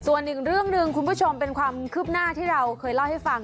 ส่วนอีกเรื่องหนึ่งคุณผู้ชมเป็นความคืบหน้าที่เราเคยเล่าให้ฟัง